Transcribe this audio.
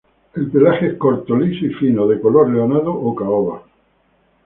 El pelaje es corto, liso y fino, de color leonado o caoba.